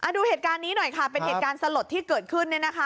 ดูเหตุการณ์นี้หน่อยค่ะเป็นเหตุการณ์สลดที่เกิดขึ้น